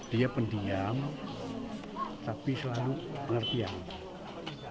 dia pendiam tapi selalu mengerti yang lain